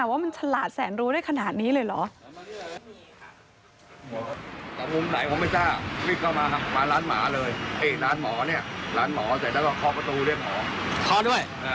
ว่ามันฉลาดแสนรู้ได้ขนาดนี้เลยเหรอ